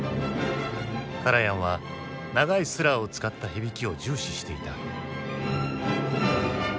カラヤンは長いスラーを使った響きを重視していた。